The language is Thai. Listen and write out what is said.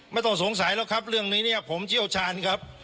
ไม่ต้องสงสัยหรอกครับเรื่องนี้เนี่ยผมเชี่ยวชาญครับ